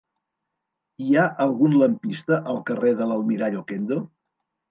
Hi ha algun lampista al carrer de l'Almirall Okendo?